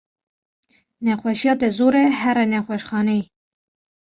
Nexweşiya te zor e here nexweşxaneyê.